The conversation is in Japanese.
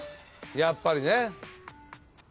やっぱりね。